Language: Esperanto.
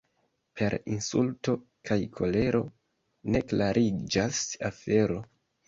Per insulto kaj kolero ne klariĝas afero.